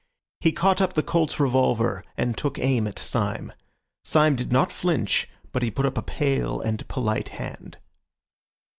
He caught up the Colt's revolver and took aim at Syme. Syme did not flinch, but he put up a pale and polite hand.